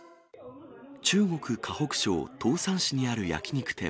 中国・河北省唐山市にある焼き肉店。